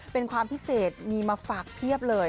เป็นความพิเศษมีมาฝากเพียบเลย